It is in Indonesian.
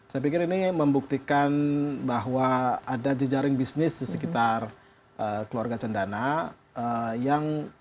saya pikir ini membuktikan bahwa ada jejaring bisnis di sekitar keluarga cendana yang